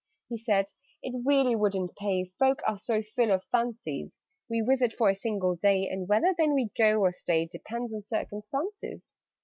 He said "It really wouldn't pay Folk are so full of fancies. We visit for a single day, And whether then we go, or stay, Depends on circumstances.